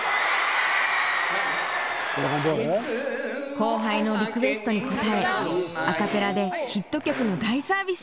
後輩のリクエストに応えアカペラでヒット曲の大サービス！